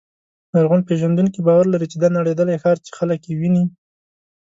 لرغونپېژندونکي باور لري چې دا نړېدلی ښار چې خلک یې ویني.